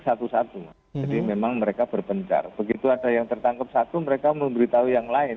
satu satu jadi memang mereka berpencar begitu ada yang tertangkap satu mereka memberitahu yang lain